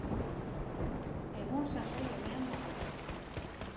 Egun sasoi onean dago.